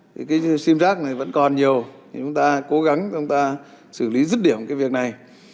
thì cái sim rac này vẫn còn nhiều chúng ta cố gắng chúng ta xử lý dứt điểm cái việc này